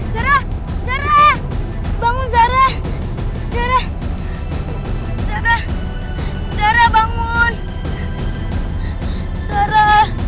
zara zara bangun zara zara zara zara bangun zara